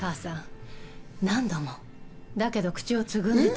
だけど、口をつぐんでた。